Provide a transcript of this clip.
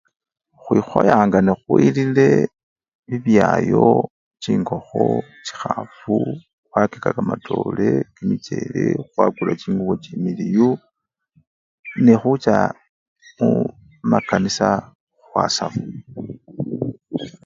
Khwikhoyanga nga khwilile bibyayo chingokho, chikhafu khwakeka kamatore khwakula chingubo chimiliyu nekhucha mumakanisa khwasaba.